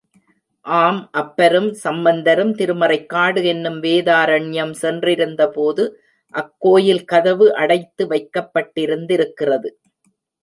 ஆம், அப்பரும், சம்பந்தரும் திருமறைக்காடு என்னும் வேதாரண்யம் சென்றிருந்தபோது அக்கோயில் கதவு அடைத்து வைக்கப்பட் டிருந்திருக்கிறது.